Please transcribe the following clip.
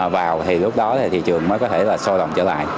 vào thì lúc đó thì thị trường mới có thể là sôi lỏng trở lại